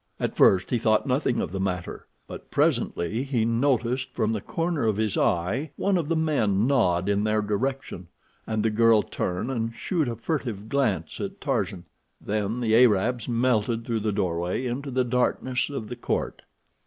At first he thought nothing of the matter, but presently he noticed from the corner of his eye one of the men nod in their direction, and the girl turn and shoot a furtive glance at Tarzan. Then the Arabs melted through the doorway into the darkness of the court.